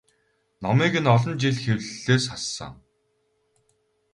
Номыг нь олон жил хэвлэлээс хассан.